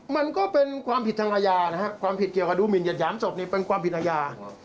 มันก็เป็นความผิดทางอาญานะครับความผิดเกี่ยวกับดูหมินัดหยามศพนี่เป็นความผิดอาญา